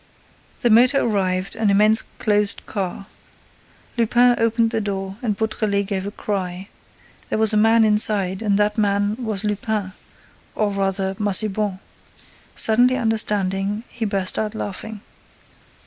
The motor arrived, an immense closed car. Lupin opened the door and Beautrelet gave a cry. There was a man inside and that man was Lupin, or rather Massiban. Suddenly understanding, he burst out laughing.